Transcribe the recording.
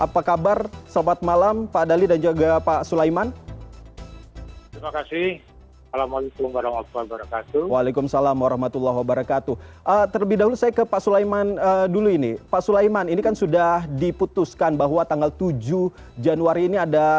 pembangunan pembangunan pembangunan